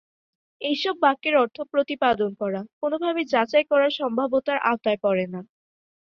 এইসব বাক্যের অর্থ প্রতিপাদন করা কোনোভাবেই যাচাই করার সম্ভাব্যতার আওতায় পড়ে না।